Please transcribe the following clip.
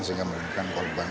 sehingga menerbitkan kolbank